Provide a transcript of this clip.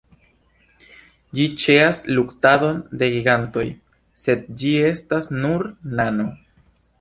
Ĝi ĉeas luktadon de gigantoj, sed ĝi estas nur nano.